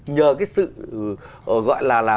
nhờ cái sự gọi là